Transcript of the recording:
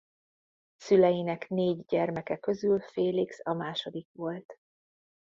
Szüleinek négy gyermeke közül Felix a második volt.